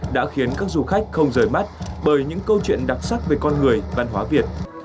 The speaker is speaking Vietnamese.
đã khiến các du khách không rời mắt bởi những câu chuyện đặc sắc về con người văn hóa việt